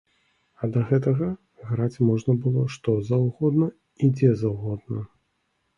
А да гэтага граць можна было што заўгодна і дзе заўгодна.